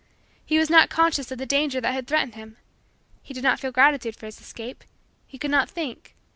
He was not conscious of the danger that had threatened him. He did not feel gratitude for his escape. He could not think.